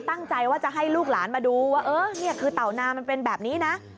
ตั้งใจว่าจะให้ลูกหลานมาดูว่าเออนี่คือเต่านามันเป็นแบบนี้นะ